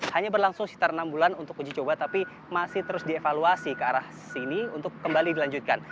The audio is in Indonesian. hanya berlangsung sekitar enam bulan untuk uji coba tapi masih terus dievaluasi ke arah sini untuk kembali dilanjutkan